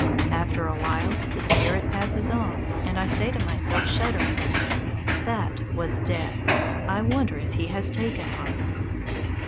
After a while the spirit passes on, and I say to myself shudderingly, "That was Death. I wonder if he has taken her."